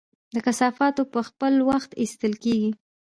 د کثافاتو په خپل وخت ایستل کیږي؟